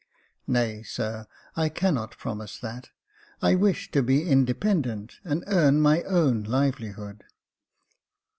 " Nay, sir, I cannot promise that : I wish to be indepen dent and earn my own livelihood."